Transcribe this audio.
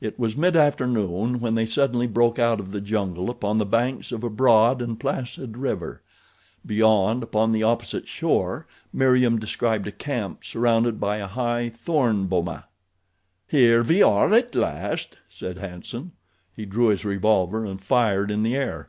It was mid afternoon when they suddenly broke out of the jungle upon the banks of a broad and placid river. Beyond, upon the opposite shore, Meriem described a camp surrounded by a high, thorn boma. "Here we are at last," said Hanson. He drew his revolver and fired in the air.